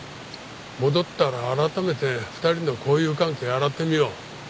戻ったら改めて２人の交友関係洗ってみよう。